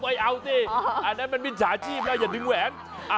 ไม่เอาสิอันนั้นมันมิจฉาชีพนะอย่าดึงแหวน